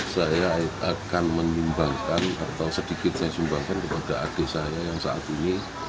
saya akan menyumbangkan atau sedikit saya sumbangkan kepada adik saya yang saat ini